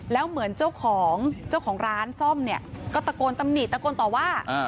แล้วเหมือนเจ้าของเจ้าของร้านซ่อมเนี่ยก็ตะโกนตำหนิตะโกนต่อว่า